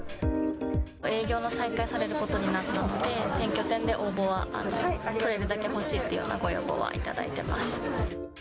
営業の再開されることになったので、全拠点で応募は、取れるだけ欲しいっていうご要望は頂いています。